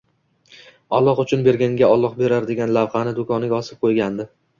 «Alloh uchun berganga Alloh berar», degan lavhani do'koniga ostirib qo'ygandi.